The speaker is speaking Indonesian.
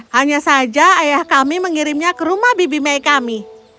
hanya saja ayah kami mengirimnya ke rumah bibi may kami